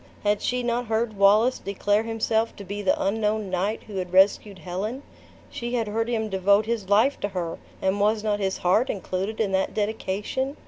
Had she not heard Wallace declare himself to be the unknown knight who had rescued Helen? She had heard him devote his life to her, and was not his heart included in that dedication?